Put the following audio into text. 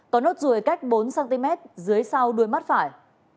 có nốt ruồi cách bốn cm dưới sau đuôi mắt phải